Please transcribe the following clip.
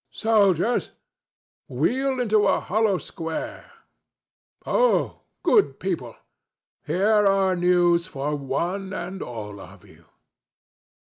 —Soldiers, wheel into a hollow square.—Ho, good people! Here are news for one and all of you."